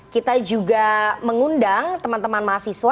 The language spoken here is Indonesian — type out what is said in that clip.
kita juga mengundang teman teman mahasiswa